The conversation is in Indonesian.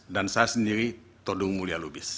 dan saya sendiri todung mulya lubis